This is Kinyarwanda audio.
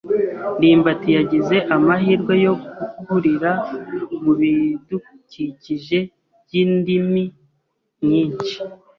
ndimbati yagize amahirwe yo gukurira mubidukikije byindimi nyinshi.